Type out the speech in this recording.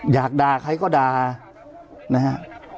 อยากด่าใครก็ด่านะฮะ